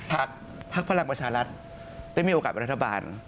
พักพลังประชารัฐได้มีโอกาสเป็นรัฐบาล